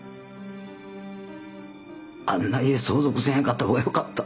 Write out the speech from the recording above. あんな家相続せえへんかった方がよかった。